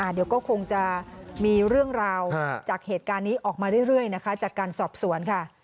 เดี๋ยวก็คงจะมีเรื่องราวจากเหตุการณ์นี้ออกมาเรื่อยนะคะจากการสอบสวนค่ะ